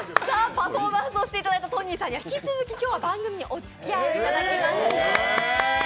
パフォーマンスをしていただいたトニーさんには、引き続き今日は番組におつきあいいただきます。